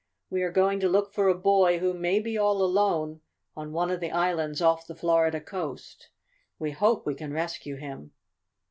"We are going to look for a boy who may be all alone on one of the islands off the Florida coast. We hope we can rescue him."